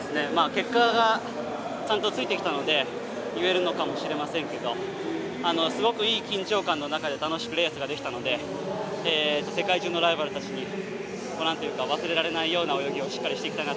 結果がちゃんとついてきたので言えるのかもしれませんけどすごくいい緊張感の中で楽しくレースができたので世界中のライバルたちに何と言うか忘れられないような泳ぎをしっかりしていきたいなと思います。